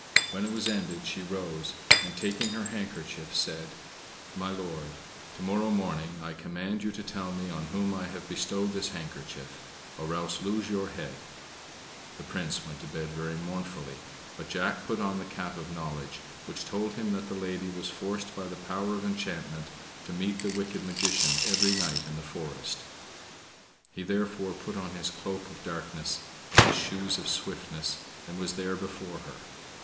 When it was ended she rose, and, taking her handkerchief, said: "My lord; to morrow morning I command you to tell me on whom I have bestowed this handkerchief or else lose your head." The Prince went to bed very mournfully; but Jack put on the cap of knowledge, which told him that the lady was forced by the power of enchantment to meet the wicked magician every night in the forest. He, therefore, put on his coat of darkness, and his shoes of swiftness, and was there before her.